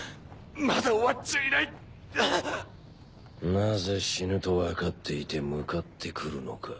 なぜ死ぬとわかっていて向かってくるのか。